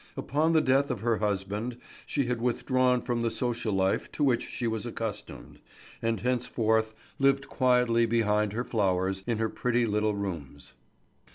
Upon the death of her husband she had withdrawn from the social life to which she was accustomed, and henceforth lived quietly behind her flowers in her pretty little rooms.